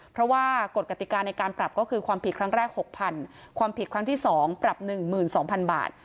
เพราะว่ากฏกติกาในการปรับก็คือความผิดครั้งแรกหกพันความผิดครั้งที่สองปรับหนึ่งหมื่นสองพันบาท